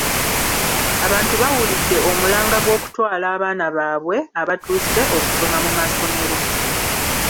Abantu bawulidde omulanga gw'okutwala abaana baabwe abatuuse okusoma mu masomero.